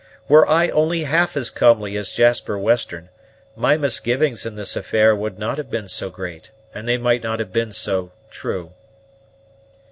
"Were I only half as comely as Jasper Western, my misgivings in this affair would not have been so great, and they might not have been so true."